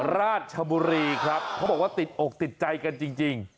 ราชบุรีครับเขาบอกว่าติดอกติดใจกันจริง